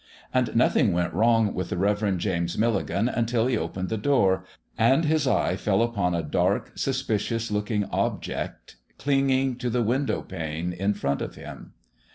And nothing went wrong with the Rev. James Milligan until he opened the door, and his eye fell upon a dark, suspicious looking object clinging to the window pane in front of him.